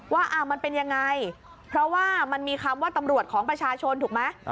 ว่ามันเป็นยังไงเพราะว่ามันมีคำว่าตำรวจของประชาชนถูกไหม